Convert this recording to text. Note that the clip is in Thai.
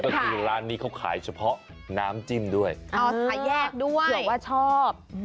ก็คือร้านนี้เขาขายเฉพาะน้ำจิ้มด้วยอ๋อขายแยกด้วยเผื่อว่าชอบ